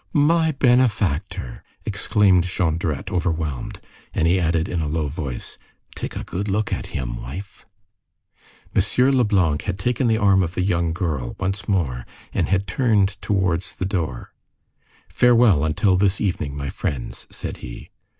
"My benefactor!" exclaimed Jondrette, overwhelmed. And he added, in a low tone: "Take a good look at him, wife!" M. Leblanc had taken the arm of the young girl, once more, and had turned towards the door. "Farewell until this evening, my friends!" said he.